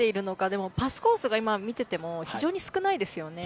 でも、パスコースが今見ていても非常に少ないですよね。